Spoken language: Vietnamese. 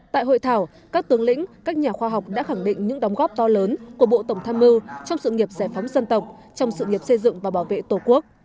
tại hội thảo các tướng lĩnh các nhà khoa học đã khẳng định những đóng góp to lớn của bộ tổng tham mưu trong sự nghiệp giải phóng dân tộc trong sự nghiệp xây dựng và bảo vệ tổ quốc